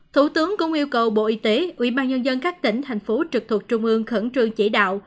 thủ tướng cũng yêu cầu bộ y tế ubnd các tỉnh thành phố trực thuộc trung ương khẩn trương chỉ đạo